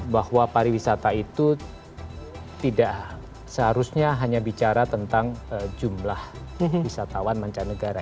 bahwa pariwisata itu tidak seharusnya hanya bicara tentang jumlah wisatawan mancanegara